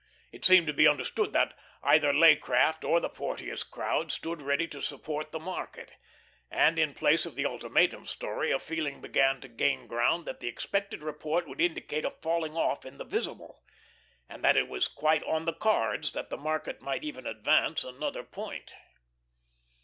It seemed to be understood that either Leaycraft or the Porteous crowd stood ready to support the market; and in place of the ultimatum story a feeling began to gain ground that the expected report would indicate a falling off in the "visible," and that it was quite on the cards that the market might even advance another point.